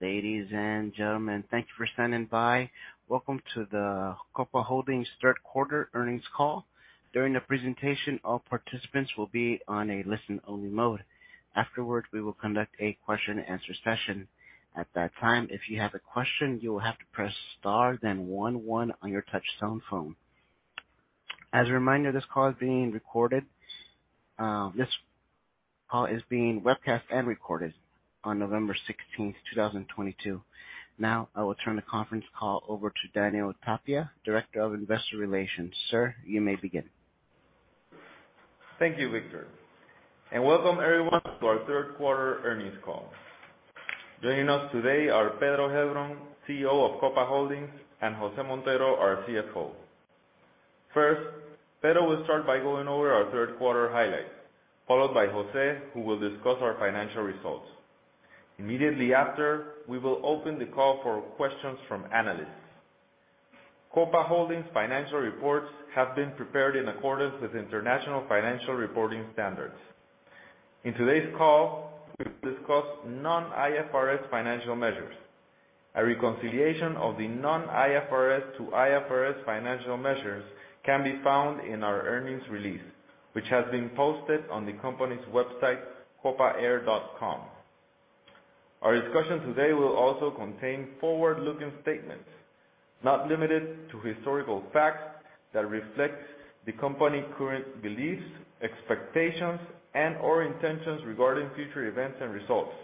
Ladies and gentlemen, thank you for standing by. Welcome to the Copa Holdings third quarter earnings call. During the presentation, all participants will be on a listen-only mode. Afterwards, we will conduct a question and answer session. At that time, if you have a question, you will have to press star then one on your touch-tone phone. As a reminder, this call is being recorded. This call is being webcast and recorded on November 16th, 2022. Now I will turn the conference call over to Daniel Tapia, Director of Investor Relations. Sir, you may begin. Thank you, Victor, and welcome everyone to our third quarter earnings call. Joining us today are Pedro Heilbron, CEO of Copa Holdings, and José Montero, our CFO. First, Pedro will start by going over our third quarter highlights, followed by José, who will discuss our financial results. Immediately after, we will open the call for questions from analysts. Copa Holdings financial reports have been prepared in accordance with International Financial Reporting Standards. In today's call, we will discuss non-IFRS financial measures. A reconciliation of the non-IFRS to IFRS financial measures can be found in our earnings release, which has been posted on the company's website, copaair.com. Our discussion today will also contain forward-looking statements not limited to historical facts that reflect the company's current beliefs, expectations, and/or intentions regarding future events and results.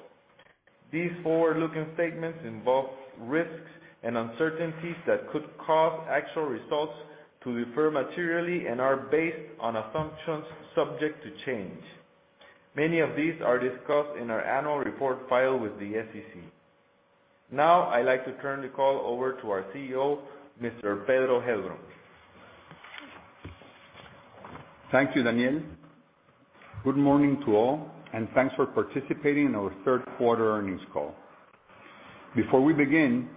These forward-looking statements involve risks and uncertainties that could cause actual results to differ materially and are based on assumptions subject to change. Many of these are discussed in our annual report filed with the SEC. Now I'd like to turn the call over to our CEO, Mr. Pedro Heilbron. Thank you, Daniel. Good morning to all, and thanks for participating in our third quarter earnings call. Before we begin,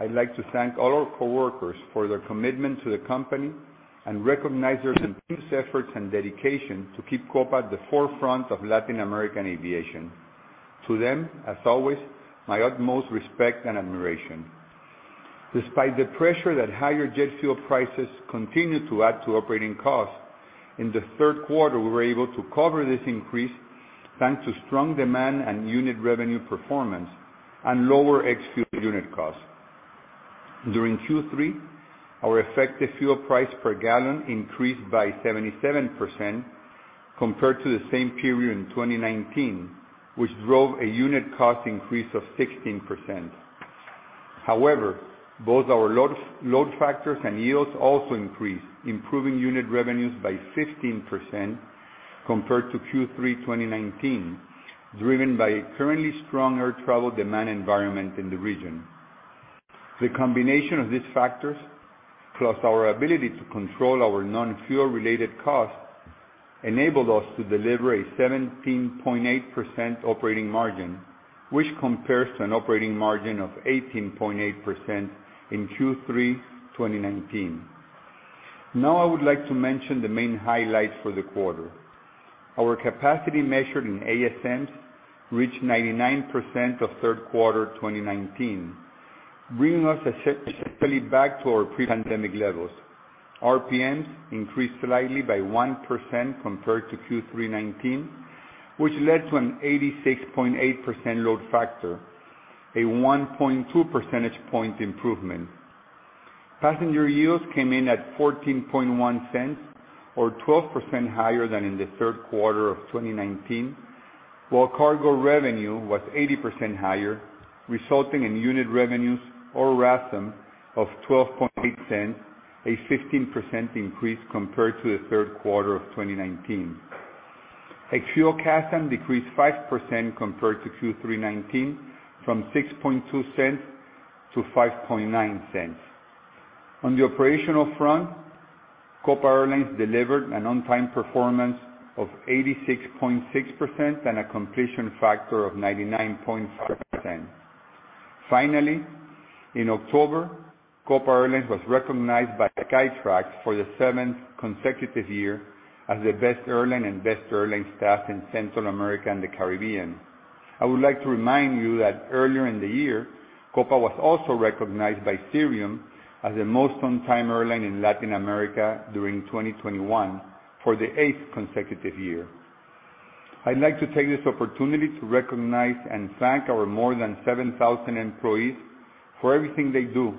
I'd like to thank all our coworkers for their commitment to the company and recognize their continuous efforts and dedication to keep Copa at the forefront of Latin American aviation. To them, as always, my utmost respect and admiration. Despite the pressure that higher jet fuel prices continue to add to operating costs, in the third quarter, we were able to cover this increase thanks to strong demand and unit revenue performance and lower ex-fuel unit costs. During Q3, our effective fuel price per gallon increased by 77% compared to the same period in 2019, which drove a unit cost increase of 16%. However, both our load factors and yields also increased, improving unit revenues by 15% compared to Q3 2019, driven by a currently stronger travel demand environment in the region. The combination of these factors, plus our ability to control our non-fuel related costs, enabled us to deliver a 17.8% operating margin, which compares to an operating margin of 18.8% in Q3 2019. Now I would like to mention the main highlights for the quarter. Our capacity measured in ASMs reached 99% of third quarter 2019, bringing us essentially back to our pre-pandemic levels. RPMs increased slightly by 1% compared to Q3 2019, which led to an 86.8% load factor, a 1.2 percentage point improvement. Passenger yields came in at $0.141 or 12% higher than in the third quarter of 2019. While cargo revenue was 80% higher, resulting in unit revenues or RASM of $0.128, a 15% increase compared to the third quarter of 2019. Ex-fuel CASM decreased 5% compared to Q3 2019 from $0.062 to $0.059. On the operational front, Copa Airlines delivered an on-time performance of 86.6% and a completion factor of 99.7%. Finally, in October, Copa Airlines was recognized by Skytrax for the seventh consecutive year as the best airline and best airline staff in Central America and the Caribbean. I would like to remind you that earlier in the year, Copa was also recognized by Cirium as the most on-time airline in Latin America during 2021 for the eighth consecutive year. I'd like to take this opportunity to recognize and thank our more than 7,000 employees for everything they do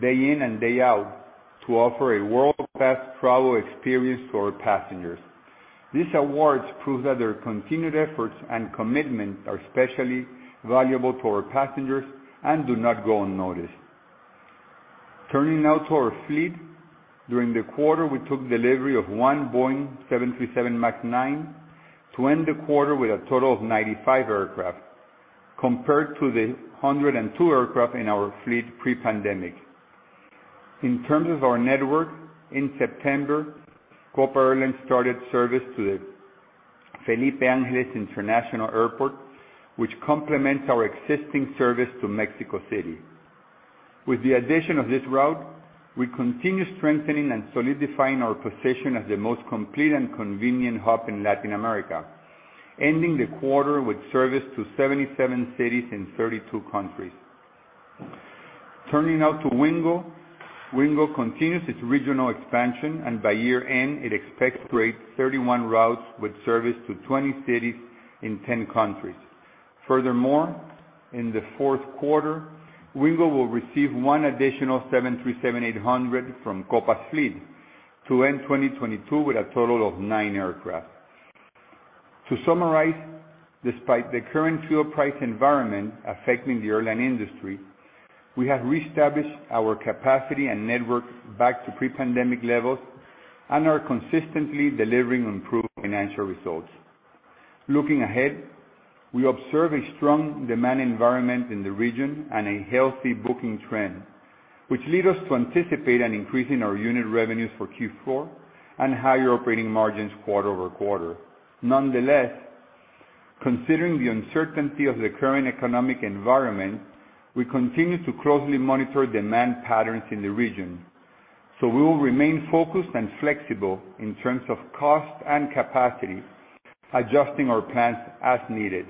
day in and day out to offer a world-class travel experience to our passengers. These awards prove that their continued efforts and commitment are especially valuable to our passengers and do not go unnoticed. Turning now to our fleet. During the quarter, we took delivery of one Boeing 737 MAX 9 to end the quarter with a total of 95 aircraft, compared to the 102 aircraft in our fleet pre-pandemic. In terms of our network, in September, Copa Airlines started service to the Felipe Ángeles International Airport, which complements our existing service to Mexico City. With the addition of this route, we continue strengthening and solidifying our position as the most complete and convenient hub in Latin America, ending the quarter with service to 77 cities in 32 countries. Turning now to Wingo. Wingo continues its regional expansion, and by year-end, it expects to create 31 routes with service to 20 cities in 10 countries. Furthermore, in the fourth quarter, Wingo will receive one additional 737-800 from Copa's fleet to end 2022 with a total of nine aircraft. To summarize, despite the current fuel price environment affecting the airline industry, we have reestablished our capacity and network back to pre-pandemic levels and are consistently delivering improved financial results. Looking ahead, we observe a strong demand environment in the region and a healthy booking trend, which lead us to anticipate an increase in our unit revenues for Q4 and higher operating margins quarter-over-quarter. Nonetheless, considering the uncertainty of the current economic environment, we continue to closely monitor demand patterns in the region, so we will remain focused and flexible in terms of cost and capacity, adjusting our plans as needed.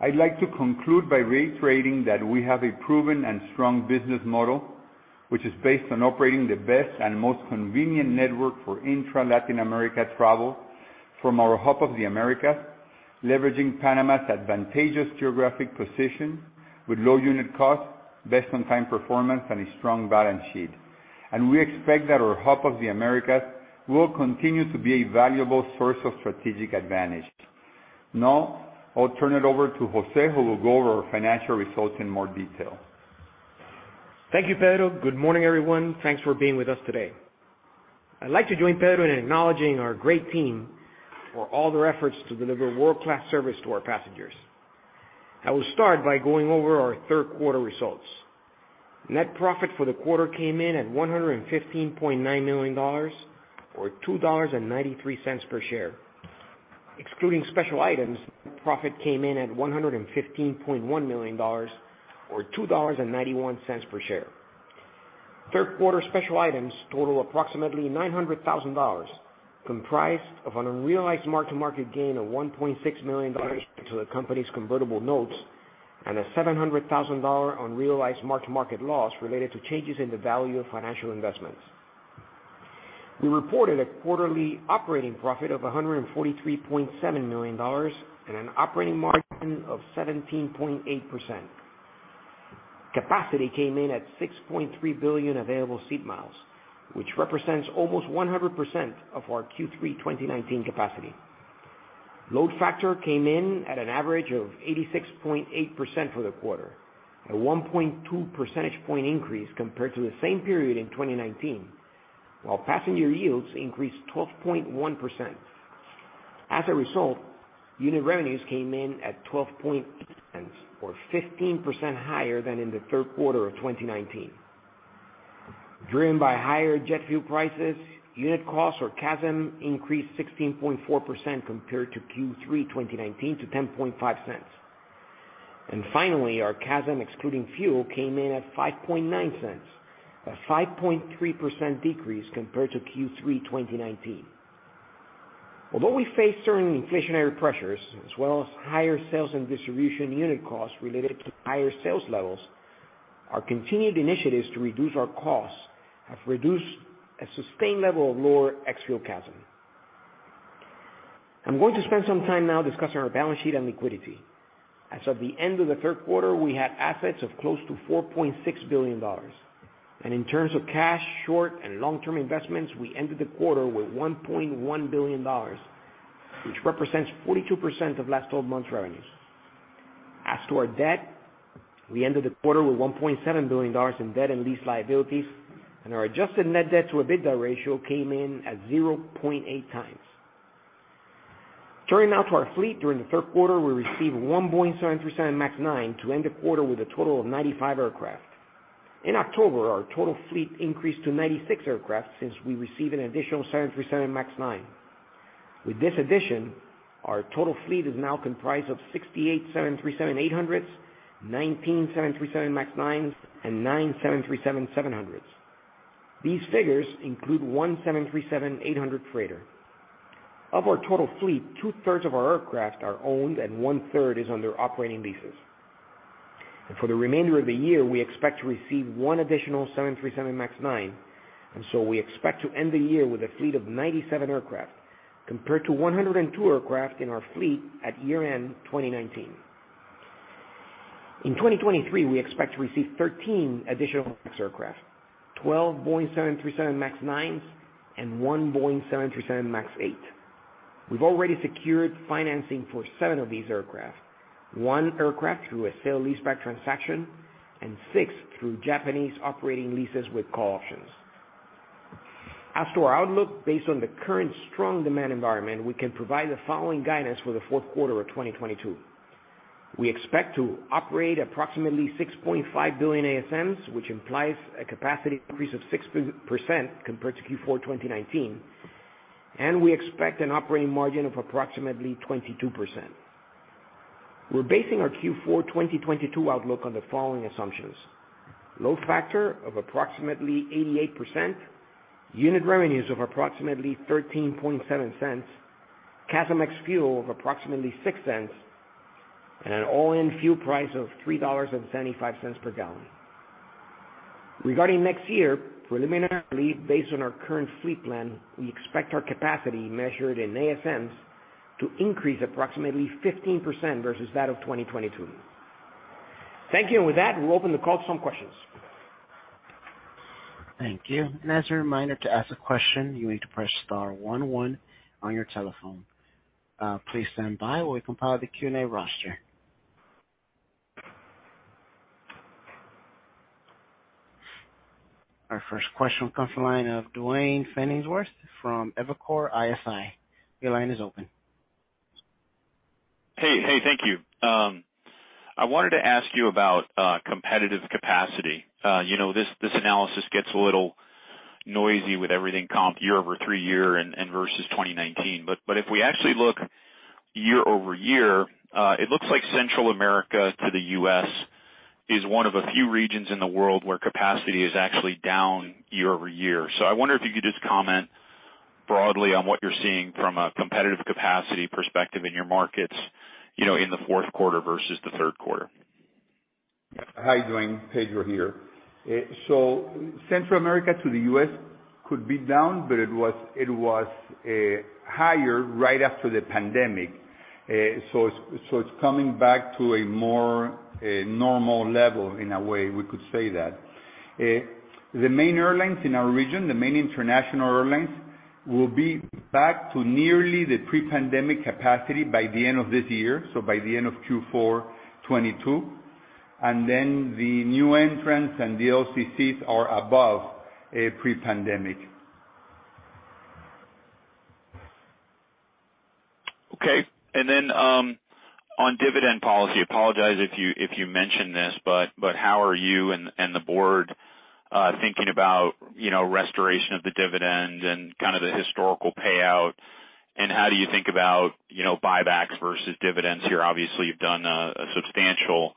I'd like to conclude by reiterating that we have a proven and strong business model, which is based on operating the best and most convenient network for intra-Latin America travel from our Hub of the Americas, leveraging Panama's advantageous geographic position with low unit costs, best on-time performance, and a strong balance sheet. We expect that our Hub of the Americas will continue to be a valuable source of strategic advantage. Now, I'll turn it over to José, who will go over our financial results in more detail. Thank you, Pedro. Good morning, everyone. Thanks for being with us today. I'd like to join Pedro in acknowledging our great team for all their efforts to deliver world-class service to our passengers. I will start by going over our third quarter results. Net Profit for the quarter came in at $115.9 million or $2.93 per share. Excluding special items, profit came in at $115.1 million or $2.91 per share. Third quarter special items total approximately $900,000, comprised of an unrealized mark-to-market gain of $1.6 million to the company's convertible notes, and a $700,000 unrealized mark-to-market loss related to changes in the value of financial investments. We reported a quarterly operating profit of $143.7 million and an operating margin of 17.8%. Capacity came in at 6.3 billion available seat miles, which represents almost 100% of our Q3, 2019 capacity. Load factor came in at an average of 86.8% for the quarter, at 1.2 percentage point increase compared to the same period in 2019. While passenger yields increased 12.1%. As a result, unit revenues came in at twelve point or 15% higher than in the third quarter of 2019. Driven by higher jet fuel prices, unit costs or CASM increased 16.4% compared to Q3, 2019 to $0.105. Finally, our CASM, excluding fuel, came in at $0.059, a 5.3% decrease compared to Q3 2019. Although we face certain inflationary pressures as well as higher sales and distribution unit costs related to higher sales levels, our continued initiatives to reduce our costs have produced a sustained level of lower ex-fuel CASM. I'm going to spend some time now discussing our balance sheet and liquidity. As of the end of the third quarter, we had assets of close to $4.6 billion. In terms of cash, short and long-term investments, we ended the quarter with $1.1 billion, which represents 42% of last 12 months revenues. As to our debt, we ended the quarter with $1.7 billion in debt and lease liabilities, and our adjusted net debt to EBITDA ratio came in at 0.8x. Turning now to our fleet, during the third quarter, we received one Boeing 737 MAX 9 to end the quarter with a total of 95 aircraft. In October, our total fleet increased to 96 aircraft since we received an additional 737 MAX 9. With this addition, our total fleet is now comprised of 68 737-800s, 19 737 MAX 9s, and nine 737-700s. These figures include one 737-800 freighter. Of our total fleet, 2/3 of our aircraft are owned and 1/3 is under operating leases. For the remainder of the year, we expect to receive one additional 737 MAX 9, and so we expect to end the year with a fleet of 97 aircraft, compared to 102 aircraft in our fleet at year-end 2019. In 2023, we expect to receive 13 additional MAX aircraft, 12 Boeing 737 MAX 9s and one Boeing 737 MAX 8. We've already secured financing for seven of these aircraft, one aircraft through a sale leaseback transaction, and six through Japanese operating leases with call options. As to our outlook, based on the current strong demand environment, we can provide the following guidance for the fourth quarter of 2022. We expect to operate approximately 6.5 billion ASMs, which implies a capacity increase of 6% compared to Q4 2019. We expect an operating margin of approximately 22%. We're basing our Q4 2022 outlook on the following assumptions, load factor of approximately 88%, unit revenues of approximately $0.137, CASM ex fuel of approximately $0.06, and an all-in fuel price of $3.75 per gallon. Regarding next year, preliminarily, based on our current fleet plan, we expect our capacity measured in ASMs to increase approximately 15% versus that of 2022. Thank you. With that, we'll open the call to some questions. Thank you. As a reminder, to ask a question, you need to press star one one on your telephone. Please stand by while we compile the Q&A roster. Our first question comes from the line of Duane Pfennigwerth from Evercore ISI. Your line is open. Hey, thank you. I wanted to ask you about competitive capacity. You know, this analysis gets a little noisy with everything comp year-over-three-year and versus 2019. If we actually look year-over-year, it looks like Central America to the U.S. is one of a few regions in the world where capacity is actually down year-over-year. I wonder if you could just comment broadly on what you're seeing from a competitive capacity perspective in your markets, you know, in the fourth quarter versus the third quarter. Hi, Duane. Pedro here. Central America to the U.S. could be down, but it was higher right after the pandemic. It's coming back to a more normal level, in a way we could say that. The main airlines in our region, the main international airlines, will be back to nearly the pre-pandemic capacity by the end of this year, so by the end of Q4 2022. The new entrants and the LCCs are above pre-pandemic. Okay. On dividend policy, apologize if you mentioned this, but how are you and the board thinking about, you know, restoration of the dividend and kind of the historical payout, and how do you think about, you know, buybacks versus dividends here? Obviously, you've done a substantial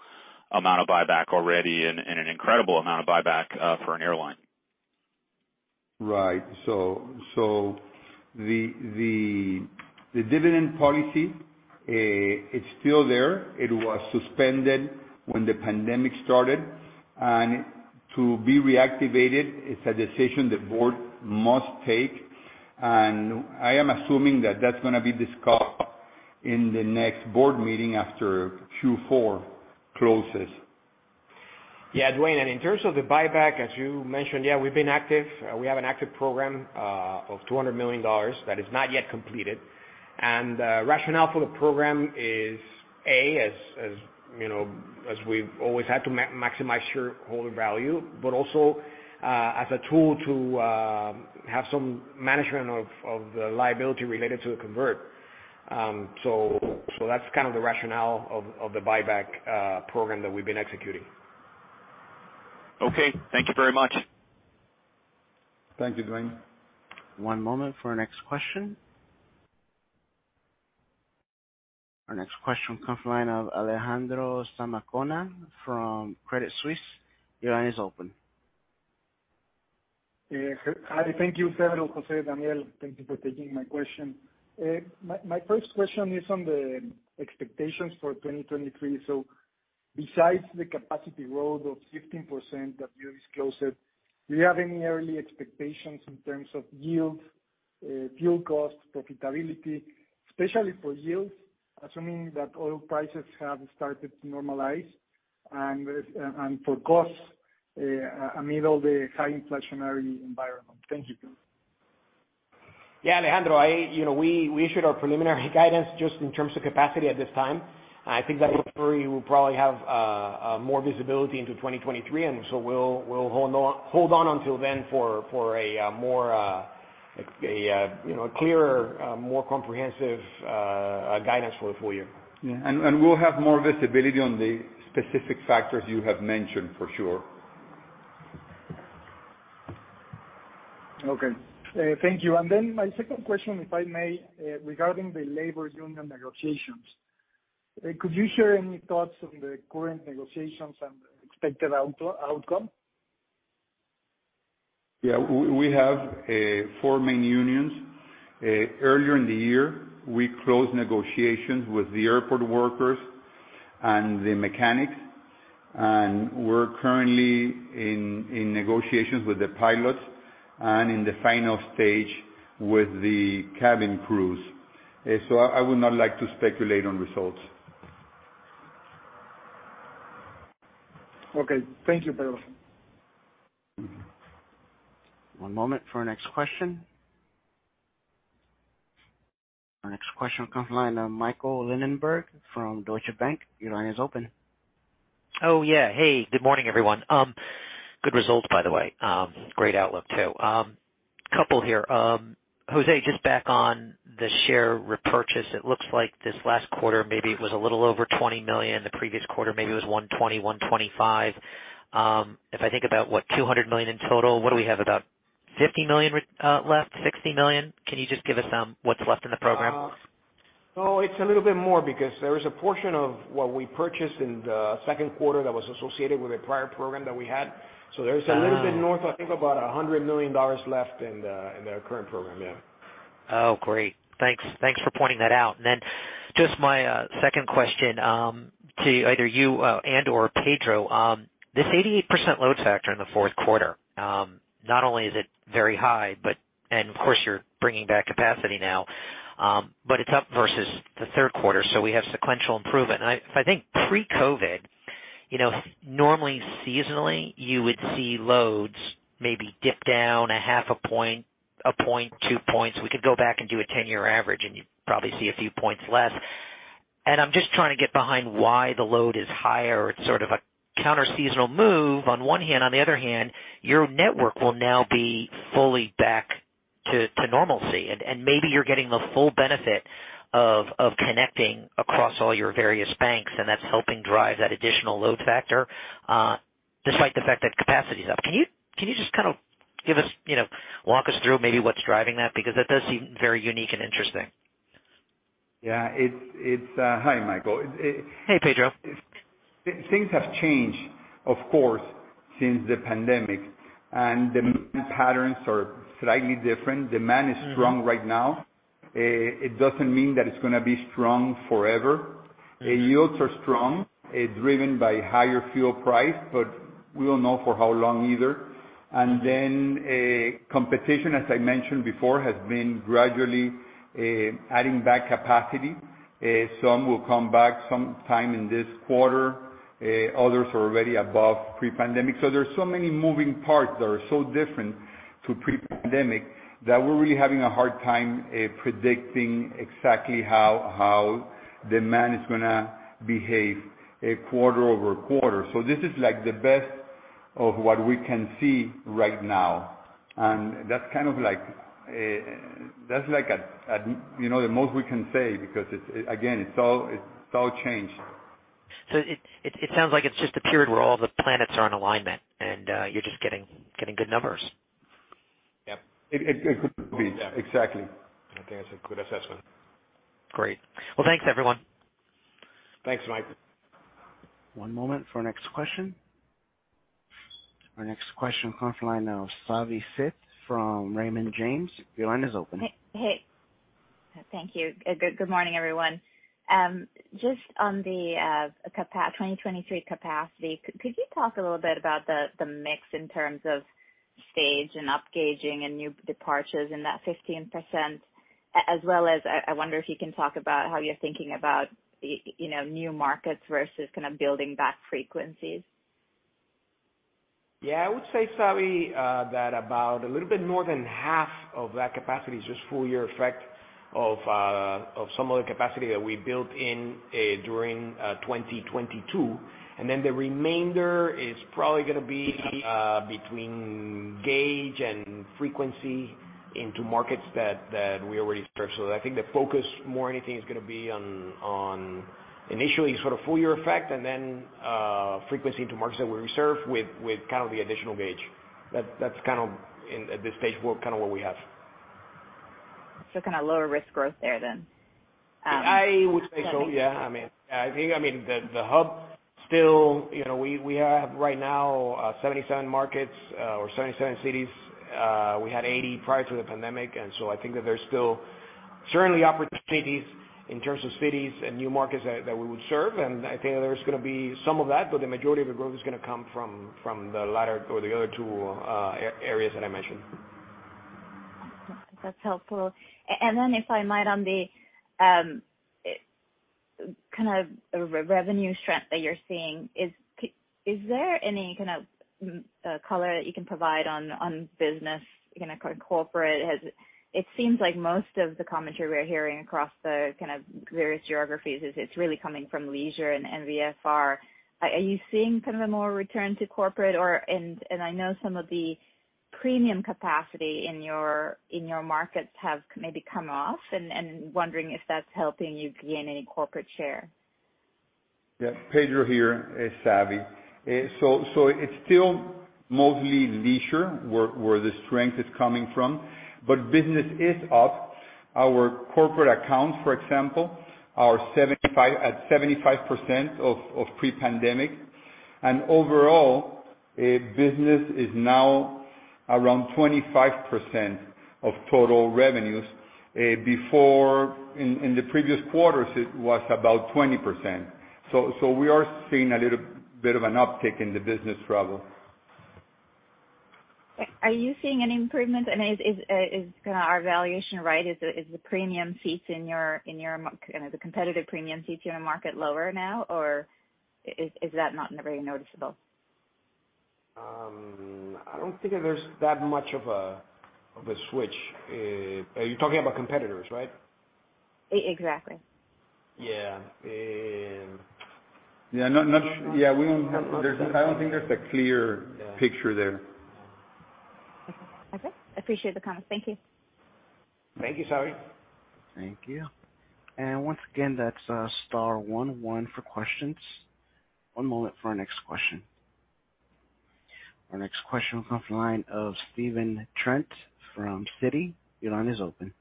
amount of buyback already and an incredible amount of buyback for an airline. Right. The dividend policy, it's still there. It was suspended when the pandemic started. To be reactivated, it's a decision the Board must take. I am assuming that that's gonna be discussed in the next Board meeting after Q4 closes. Yeah, Duane, and in terms of the buyback, as you mentioned, yeah, we've been active. We have an active program of $200 million that is not yet completed. The rationale for the program is, A, as you know, as we've always had, to maximize shareholder value, but also as a tool to have some management of the liability related to the convert. That's kind of the rationale of the buyback program that we've been executing. Okay. Thank you very much. Thank you, Duane. One moment for our next question. Our next question comes from the line of Alejandro Zamacona from Credit Suisse. Your line is open. Hi. Thank you, Pedro, José, Daniel. Thank you for taking my question. My first question is on the expectations for 2023. Besides the capacity growth of 15% that you disclosed, do you have any early expectations in terms of yield, fuel costs, profitability, especially for yields, assuming that oil prices have started to normalize, and for costs amid all the high inflationary environment? Thank you. Yeah, Alejandro, you know, we issued our preliminary guidance just in terms of capacity at this time. I think that in February we'll probably have more visibility into 2023. We'll hold on until then for a, you know, clearer, more comprehensive guidance for the full year. Yeah. We'll have more visibility on the specific factors you have mentioned for sure. Okay, thank you. My second question, if I may, regarding the labor union negotiations. Could you share any thoughts on the current negotiations and expected outcome? Yeah. We have four main unions. Earlier in the year, we closed negotiations with the airport workers and the mechanics, and we're currently in negotiations with the pilots and in the final stage with the cabin crews. I would not like to speculate on results. Okay. Thank you, Pedro. One moment for our next question. Our next question comes from the line of Michael Linenberg from Deutsche Bank. Your line is open. Oh, yeah. Hey, good morning, everyone. Good results by the way. Great outlook too. Couple here. José, just back on the share repurchase. It looks like this last quarter maybe was a little over $20 million. The previous quarter maybe was $120, $125. If I think about what, $200 million in total, what do we have? About $50 million left, $60 million? Can you just give us what's left in the program? No, it's a little bit more because there is a portion of what we purchased in the second quarter that was associated with a prior program that we had. There's a little bit north, I think about $100 million left in our current program. Yeah. Oh, great. Thanks for pointing that out. Just my second question to either you and/or Pedro. This 88% load factor in the fourth quarter, not only is it very high, but of course you're bringing back capacity now. It's up versus the third quarter. We have sequential improvement. I think pre-COVID, you know, normally seasonally, you would see loads maybe dip down half a point, a point, two points. We could go back and do a 10-year average. You'd probably see a few points less. I'm just trying to get behind why the load is higher. It's sort of a counter-seasonal move on one hand. On the other hand, your network will now be fully back to normalcy. Maybe you're getting the full benefit of connecting across all your various banks, and that's helping drive that additional load factor despite the fact that capacity is up. Can you just kind of, you know, walk us through maybe what's driving that? Because that does seem very unique and interesting. Yeah. Hi, Michael. Hey, Pedro. Th-things have changed, of course, since the pandemic, and the patterns are slightly different. Demand is strong right now. Uh, it doesn't mean that it's gonna be strong forever. Uh, yields are strong, uh, driven by higher fuel price, but we don't know for how long either. And then, uh, competition, as I mentioned before, has been gradually, uh, adding back capacity. Uh, some will come back some time in this quarter, uh, others are already above pre-pandemic. So there's so many moving parts that are so different to pre-pandemic that we're really having a hard time, uh, predicting exactly how demand is gonna behave a quarter over quarter. So this is like the best of what we can see right now. And that's kind of like, uh, that's like a, you know, the most we can say because it's, again, it's all, it's all changed. It sounds like it's just a period where all the planets are in alignment and you're just getting good numbers. Yep. It could be. Exactly. I think that's a good assessment. Great. Well, thanks everyone. Thanks, Mike. One moment for our next question. Our next question comes from the line of Savi Syth from Raymond James. Your line is open. Hey. Thank you. Good morning, everyone. Just on the 2023 capacity, could you talk a little bit about the mix in terms of stage and upgauging and new departures in that 15%? As well as I wonder if you can talk about how you're thinking about the, you know, new markets versus kind of building back frequencies. Yeah. I would say, Savi, that about a little bit more than half of that capacity is just full year effect of some of the capacity that we built in during 2022. The remainder is probably gonna be between gauge and frequency into markets that we already serve. I think the focus more anything is gonna be on initially sort of full year effect and then frequency into markets that we serve with kind of the additional gauge. That's kind of at this stage, kind of where we have. Kind of lower risk growth there then. I would say so, yeah. I mean, I think, I mean, you know, we have right now 77 markets or 77 cities. We had 80 prior to the pandemic, and so I think that there's still certainly opportunities in terms of cities and new markets that we would serve. I think there's gonna be some of that, but the majority of the growth is gonna come from the latter or the other two areas that I mentioned. That's helpful. If I might on the kind of revenue strength that you're seeing, is there any kind of color that you can provide on business, you know, kind of corporate? It seems like most of the commentary we're hearing across the kind of various geographies is it's really coming from leisure and VFR. Are you seeing kind of a more return to corporate? I know some of the premium capacity in your markets have maybe come off, and wondering if that's helping you gain any corporate share. Yeah. Pedro here, Savi. It's still mostly leisure where the strength is coming from, but business is up. Our corporate accounts, for example, are at 75% of pre-pandemic. Overall, business is now around 25% of total revenues. Before in the previous quarters, it was about 20%. We are seeing a little bit of an uptick in the business travel. Are you seeing any improvement? Is kinda our valuation right? Is the premium seats, you know, the competitive premium seats in the market lower now, or is that not very noticeable? I don't think there's that much of a switch. Are you talking about competitors, right? E-exactly. Yeah. Yeah. I don't think there's a clear picture there. Okay. Appreciate the comment. Thank you. Thank you, Savi. Thank you. Once again, that's star one one for questions. One moment for our next question. Our next question will come from the line of Stephen Trent from Citi. Your line is open.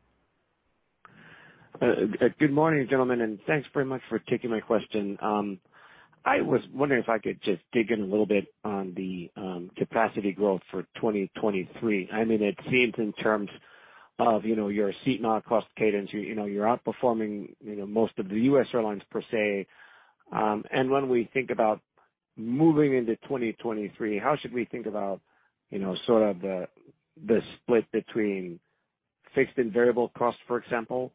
Good morning, gentlemen, and thanks very much for taking my question. I was wondering if I could just dig in a little bit on the capacity growth for 2023. I mean, it seems in terms of, you know, your seat mile cost cadence, you know, you're outperforming, you know, most of the U.S. airlines per se. When we think about moving into 2023, how should we think about, you know, sort of the split between fixed and variable costs, for example,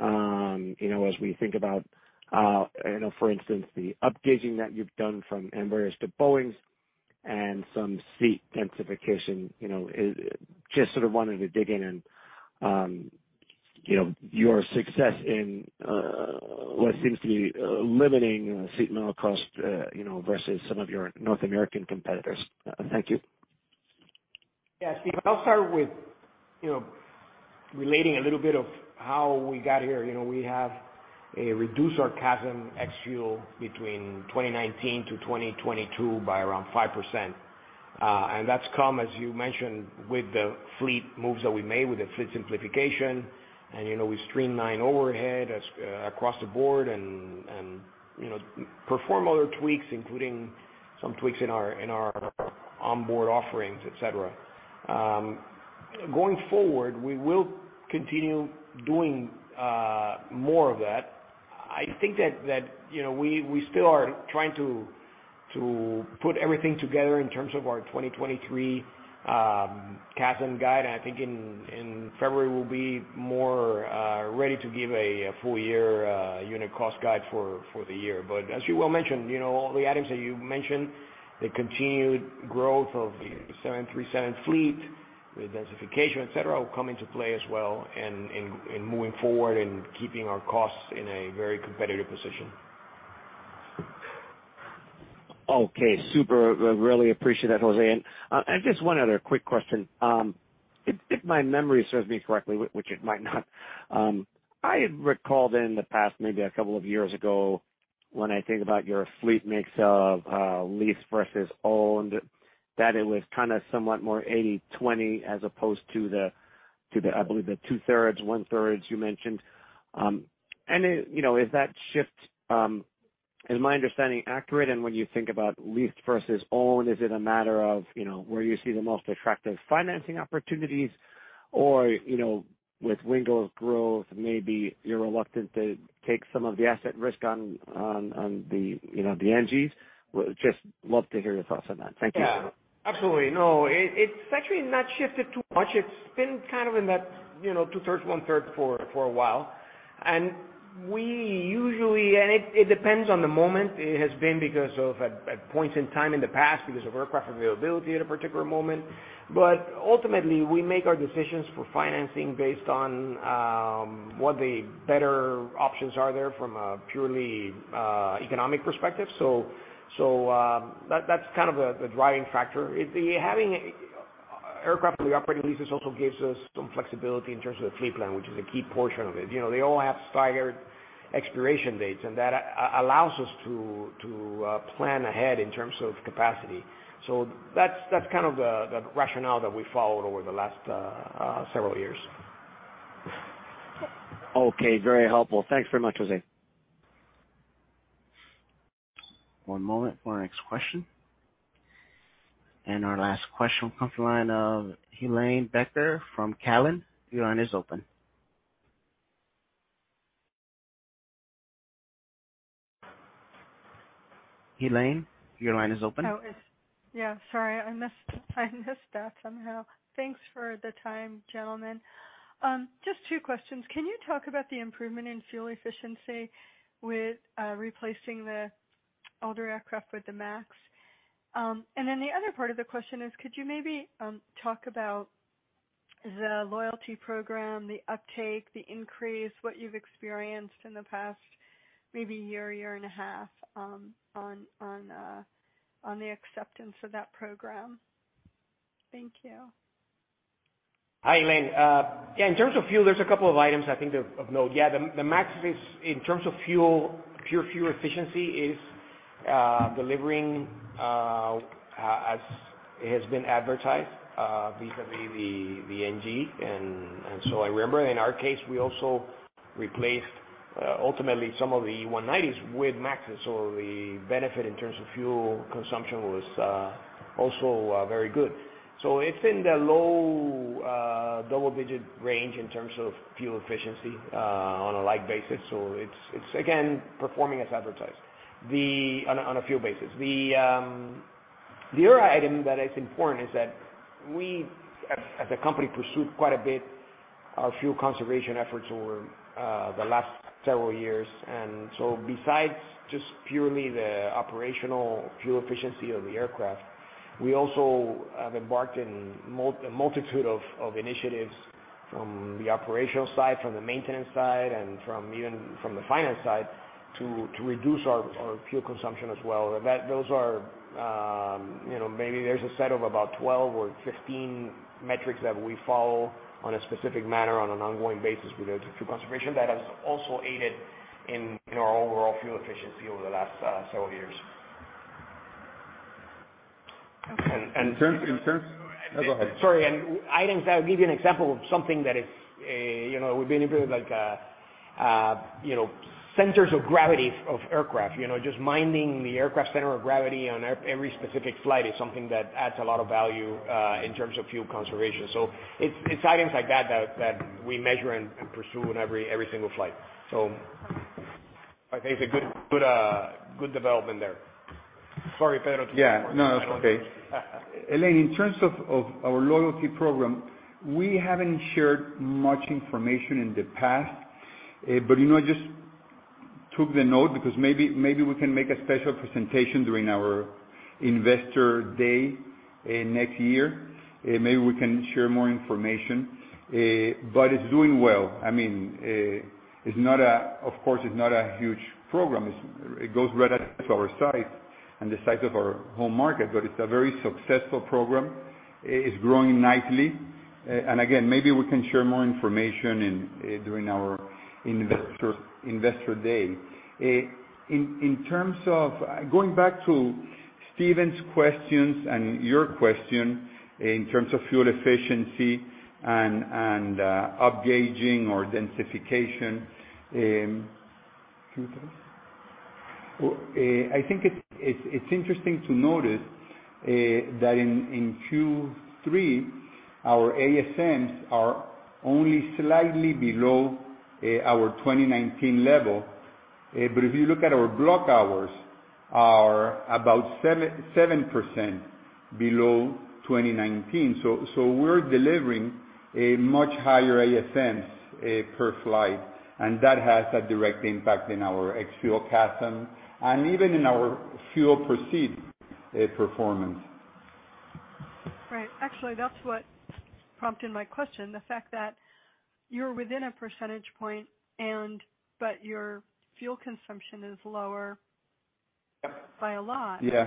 you know, as we think about, you know, for instance, the upgauging that you've done from Embraers to Boeings and some seat densification. You know, just sort of wanted to dig in, you know, your success in what seems to be limiting seat mile cost, you know, versus some of your North American competitors. Thank you. Yeah. Steve, I'll start with, you know, relating a little bit of how we got here. You know, we have reduced our CASM ex-fuel between 2019-2022 by around 5%. That's come, as you mentioned, with the fleet moves that we made, with the fleet simplification. You know, we streamlined overhead across the board and, you know, perform other tweaks, including some tweaks in our onboard offerings, et cetera. Going forward, we will continue doing more of that. I think that, you know, we still are trying to put everything together in terms of our 2023 CASM guide. I think in February we'll be more ready to give a full year unit cost guide for the year. As you well mentioned, you know, all the items that you mentioned, the continued growth of the 737 fleet, the densification, et cetera, will come into play as well in moving forward and keeping our costs in a very competitive position. Okay, super. Really appreciate that, Jose. Just one other quick question. If my memory serves me correctly, which it might not, I recall in the past, maybe a couple of years ago, when I think about your fleet mix of leased versus owned, that it was kind of somewhat more 80/20 as opposed to the, I believe, the two-thirds, one-thirds you mentioned. You know, is my understanding accurate? When you think about leased versus owned, is it a matter of, you know, where you see the most attractive financing opportunities or, you know, with Wingo's growth, maybe you're reluctant to take some of the asset risk on the, you know, the NGs. Just love to hear your thoughts on that. Thank you. Yeah, absolutely. No, it's actually not shifted too much. It's been kind of in that, you know, two-third, one-third for a while. It depends on the moment. It has been because of, at points in time in the past, because of aircraft availability at a particular moment. Ultimately, we make our decisions for financing based on what the better options are there from a purely economic perspective. That's kind of the driving factor. Having aircraft on the operating leases also gives us some flexibility in terms of the fleet plan, which is a key portion of it. You know, they all have staggered expiration dates, and that allows us to plan ahead in terms of capacity. That's kind of the rationale that we followed over the last several years. Okay, very helpful. Thanks very much, José. One moment for our next question. Our last question will come from the line of Helane Becker from Cowen. Your line is open. Helane, your line is open. Yeah, sorry, I missed that somehow. Thanks for the time, gentlemen. Just two questions. Can you talk about the improvement in fuel efficiency with replacing the older aircraft with the MAX? The other part of the question is, could you maybe talk about the loyalty program, the uptake, the increase, what you've experienced in the past maybe year and a half on the acceptance of that program? Thank you. Hi, Helane. Uh, yeah, in terms of fuel, there's a couple of items I think of note. Yeah, the MAX is, in terms of fuel, pure fuel efficiency, is, uh, delivering, uh, as it has been advertised, uh, vis-a-vis the NG. And, and so I remember in our case, we also replaced, uh, ultimately some of the Embraer 190s with MAX. So the benefit in terms of fuel consumption was, uh, also, uh, very good. So it's in the low, uh, double-digit range in terms of fuel efficiency, uh, on a like basis. So it's again, performing as advertised. The-- on a, on a fuel basis. The, um, the other item that is important is that we as a company, pursued quite a bit our fuel conservation efforts over, uh, the last several years. Besides just purely the operational fuel efficiency of the aircraft, we also have embarked in a multitude of initiatives from the operational side, from the maintenance side, and even from the finance side, to reduce our fuel consumption as well. Those are, you know, maybe there's a set of about 12 or 15 metrics that we follow on a specific manner on an ongoing basis related to fuel conservation that has also aided in our overall fuel efficiency over the last several years. Oh, go ahead. Sorry, items, I'll give you an example of something that, you know, would be anything like, you know, centers of gravity of aircraft. You know, just minding the aircraft center of gravity on every specific flight is something that adds a lot of value in terms of fuel conservation. It's items like that that we measure and pursue in every single flight. I think it's a good development there. Sorry, Pedro. Yeah. No, it's okay. Helane, in terms of our loyalty program, we haven't shared much information in the past. You know, just took the note because maybe we can make a special presentation during our Investor Day next year. Maybe we can share more information. It's doing well. I mean, of course, it's not a huge program. It goes right out to our size and the size of our home market, but it's a very successful program. It's growing nicely. Again, maybe we can share more information during our Investor Day. In terms of going back to Stephen's questions and your question in terms of fuel efficiency and upgauging or densification, I think it's interesting to notice that in Q3, our ASMs are only slightly below our 2019 level. If you look at our block hours are about 7% below 2019. We're delivering a much higher ASMs per flight, and that has a direct impact in our ex-fuel CASM and even in our fuel proceed performance. Right. Actually, that's what prompted my question, the fact that you're within a percentage point but your fuel consumption is lower. Yep. By a lot. Yeah.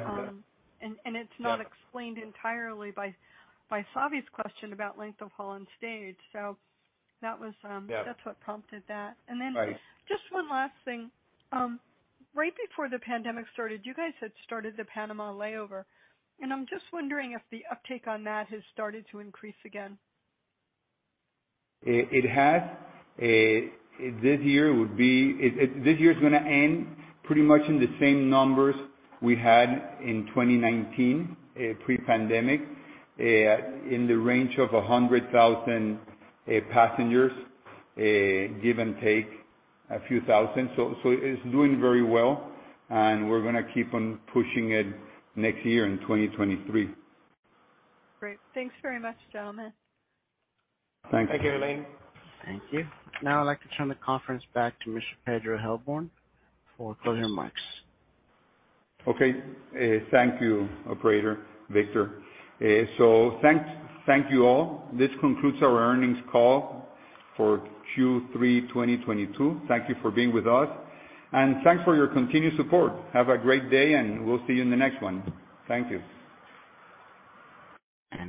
It's not explained entirely by Savi's question about length of haul and stage. Yeah. That's what prompted that. Right. Just one last thing. Right before the pandemic started, you guys had started the Panama layover, and I'm just wondering if the uptake on that has started to increase again. It has. This year is gonna end pretty much in the same numbers we had in 2019, pre-pandemic, in the range of 100,000 passengers, give and take a few thousand. It's doing very well, and we're gonna keep on pushing it next year in 2023. Great. Thanks very much, gentlemen. Thank you, Helane. Thank you. Now I'd like to turn the conference back to Mr. Pedro Heilbron for closing remarks. Okay. Thank you, Operator Victor. Thank you all. This concludes our earnings call for Q3 2022. Thank you for being with us, and thanks for your continued support. Have a great day, and we'll see you in the next one. Thank you.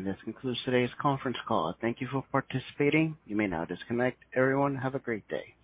This concludes today's conference call. Thank you for participating. You may now disconnect. Everyone, have a great day.